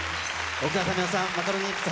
奥田民生さん、マカロニえんぴつ・